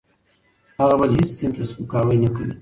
هغه بل هېڅ دین ته سپکاوی نه کوي.